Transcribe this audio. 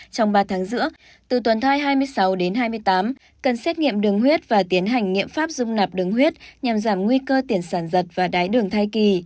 trong ba tháng giữa từ tuần thai hai mươi sáu đến hai mươi tám cần xét nghiệm đường huyết và tiến hành nghiệm pháp dung nạp đường huyết nhằm giảm nguy cơ tiền sản giật và đái đường thai kỳ